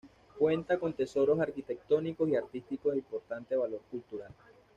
Cuenta con tesoros arquitectónicos y artísticos de importante valor cultural.